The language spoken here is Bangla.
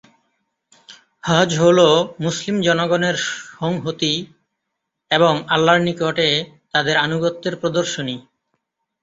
হজ হ'ল মুসলিম জনগণের সংহতি, এবং আল্লাহর নিকটে তাদের আনুগত্যের প্রদর্শনী।